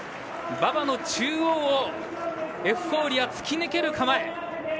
馬場の中央をエフフォーリア突き抜ける構え。